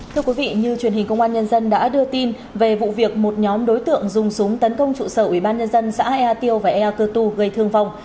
thưa quý vị như truyền hình công an nhân dân đã đưa tin về vụ việc một nhóm đối tượng dùng súng tấn công trụ sở ubnd xã ea tiêu và ea cơ tu gây thương vong